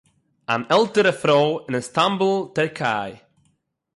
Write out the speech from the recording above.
אַן עלטערע פרוי אין איסטאַנבול טערקיי